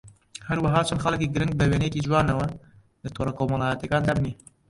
هەروەها چەند خاڵێکی گرنگ بە وێنەیەکی جوانەوە لە تۆڕە کۆمەڵایەتییەکان دابنێیت